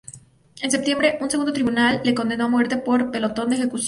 En septiembre un segundo tribunal la condenó a muerte por pelotón de ejecución.